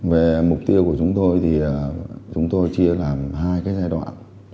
về mục tiêu của chúng tôi thì chúng tôi chia làm hai cái giai đoạn